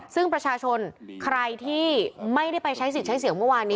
ซึ่งประชาชนใครที่ไม่ได้ไปใช้สิทธิ์ใช้เสียงเมื่อวานนี้